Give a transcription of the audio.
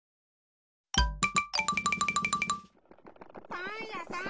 パンやさん。